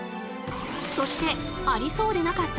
そしてありそうでなかった